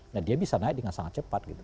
nah dia bisa naik dengan sangat cepat gitu